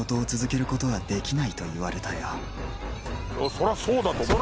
そらそうだと思う。